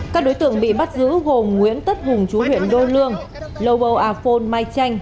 các đối tượng bị bắt giữ gồm nguyễn tất hùng chú huyện đô lương lô bầu a phôn mai tranh